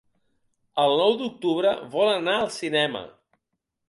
El nou d'octubre volen anar al cinema.